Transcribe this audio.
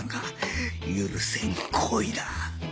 許せん行為だ